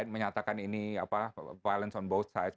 menyatakan ini violence on both side